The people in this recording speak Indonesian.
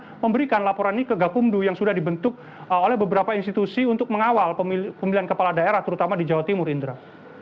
untuk memberikan laporan ini ke gakumdu yang sudah dibentuk oleh beberapa institusi untuk mengawal pemilihan kepala daerah terutama di jawa timur indra